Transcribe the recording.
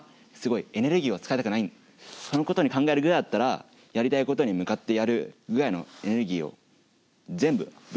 そのことに考えるぐらいだったらやりたいことに向かってやるぐらいのエネルギーを全部ぶっ放したいの。